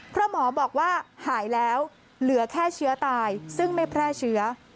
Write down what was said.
เพราะหมอบอกว่าหายแล้วเหลือแค่เชื้อตายซึ่งไม่แพร่เชื้อ